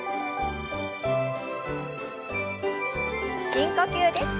深呼吸です。